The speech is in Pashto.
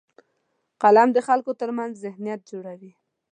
قلم د خلکو ترمنځ ذهنیت جوړوي